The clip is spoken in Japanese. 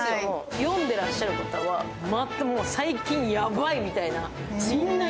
読んでらっしゃる方は、最近ヤバいみたいな。